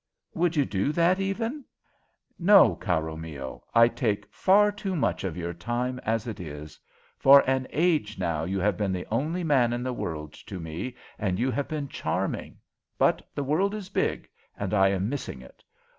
"Would you do that, even? No, caro mio, I take far too much of your time as it is. For an age now you have been the only man in the world to me, and you have been charming! But the world is big, and I am missing it.